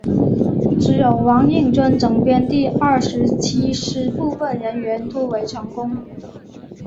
只有王应尊整编第二十七师部分人员突围成功。